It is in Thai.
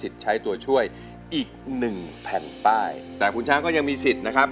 แต่คุณช้างก็ยังมีสิทธิ์นะครับ